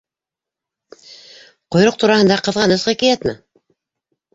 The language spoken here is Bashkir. —Ҡойроҡ тураһында ҡыҙғаныс хикәйәтме?